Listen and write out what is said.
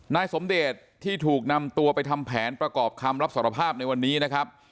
นายสมเดชที่ถูกนำตัวไปทำแผนประกอบคำรับสารภาพในวันนี้นะครับ